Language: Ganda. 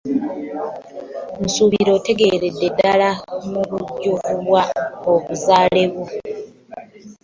Nsuubira otegeeredde ddala mu bujjuvu obuzaale bwo.